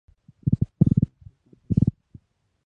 Contiene tres canciones.